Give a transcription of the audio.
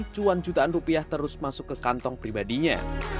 cuan jutaan rupiah terus masuk ke kantong pribadinya